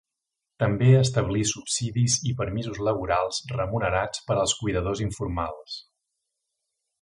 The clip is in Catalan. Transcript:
També establí subsidis i permisos laborals remunerats per als cuidadors informals.